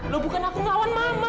lo bukan aku ngelawan mama